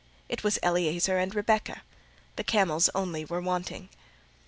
It was Eliezer and Rebecca: the camels only were wanting.